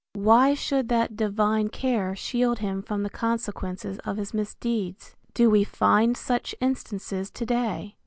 Why should that divine care shield him from the consequences of his misdeeds? Do we find such instances to day?